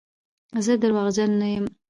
زه درواغجن نه یم.